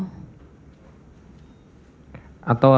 atau hanya ditentukan